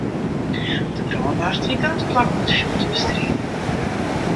De brânwacht wie gau teplak om it fjoer te bestriden.